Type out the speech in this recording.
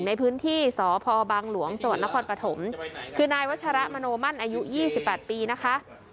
ในพื้นที่สภบางหลวงสนครปฐมคือนายวัชระมโนมันอายุยี่สิบแปดปีนะคะ